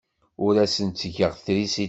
Ur asen-ttgeɣ trisiti.